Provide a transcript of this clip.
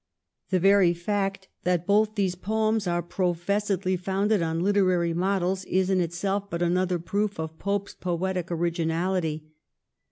The very fact that both these poems are professedly founded on literary models is in itself but another proof of Pope's poetic originality.